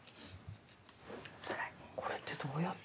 これってどうやって。